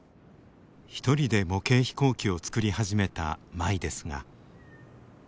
一人で模型飛行機を作り始めた舞ですが。